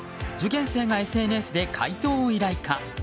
受験生がＳＮＳで解答を依頼か。